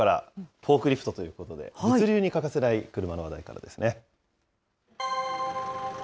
フォークリフトということで、物流に欠かせない車の話題からですね。